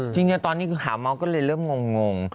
จริงจากตอนนี้คือหามองก็เลยเริ่มงง